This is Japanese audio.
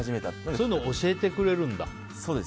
そういうのを教えてくれるんだ。